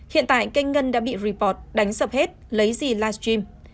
hiện tại kênh ngân đã bị report đánh sập hết lấy gì live stream